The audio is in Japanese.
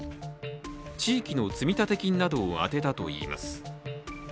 地域の積立金などを充てたといいます。